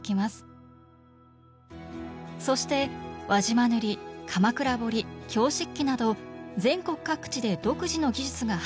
そして輪島塗鎌倉彫京漆器など全国各地で独自の技術が発展